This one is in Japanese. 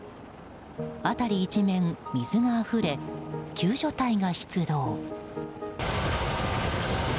辺り一面、水があふれ救助隊が出動。